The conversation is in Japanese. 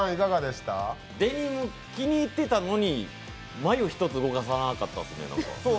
デニム気にいってたのにまゆ一つ動かさなかったっていう。